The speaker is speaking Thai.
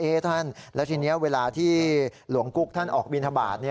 ท่านแล้วทีนี้เวลาที่หลวงกุ๊กท่านออกบินทบาท